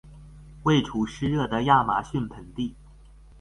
位处湿热的亚马逊盆地。